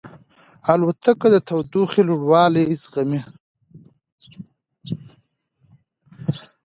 الوتکه د تودوخې لوړوالی زغمي.